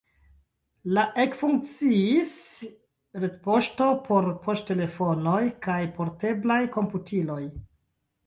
La ekfunkciis retpoŝto por poŝtelefonoj kaj porteblaj komputiloj.